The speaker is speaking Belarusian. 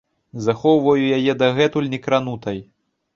Захоўваю яе дагэтуль некранутай.